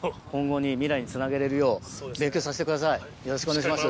よろしくお願いします。